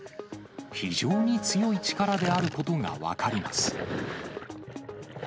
非常に強い力であることが分かります。